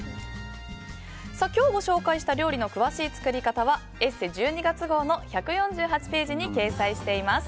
今日ご紹介した料理の詳しい作り方は「ＥＳＳＥ」１２月号の１４８ページに掲載しています。